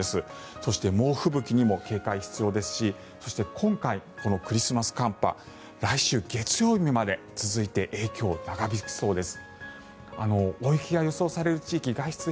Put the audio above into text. そして猛吹雪にも警戒が必要ですし今回、クリスマス寒波来週月曜日まで続いて影響、長引きそうです。